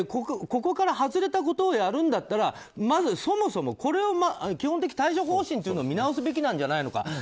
ここから外れたことをやるんだったらまずそもそも基本的対処方針というのを見直すべきじゃないか。